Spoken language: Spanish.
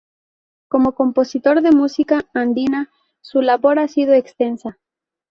Como compositor de música andina su labor ha sido extensa.